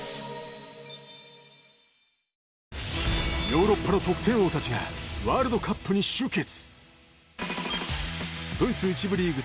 ヨーロッパの得点王たちがワールドカップに集結。